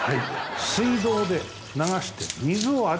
水道で流して。